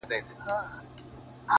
• له شپږو مياشتو څه درد ـدرد يمه زه ـ